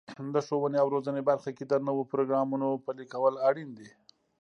د ښوونې او روزنې برخه کې د نوو پروګرامونو پلي کول اړین دي.